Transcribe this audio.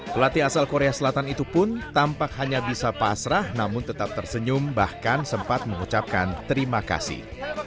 pelatih asal korea selatan itu pun tampak hanya bisa pasrah namun tetap tersenyum bahkan sempat mengucapkan terima kasih